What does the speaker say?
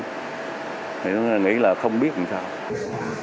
thì mình nghĩ là không biết mình sẽ làm gì hết